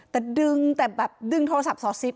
แต่ดึงแต่แบบดึงโทรศัพท์สอซิป